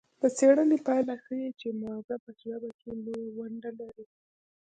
د څیړنې پایله ښيي چې مغزه په ژبه کې لویه ونډه لري